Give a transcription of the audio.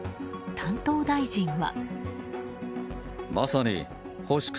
担当大臣は。